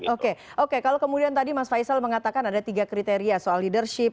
oke oke kalau kemudian tadi mas faisal mengatakan ada tiga kriteria soal leadership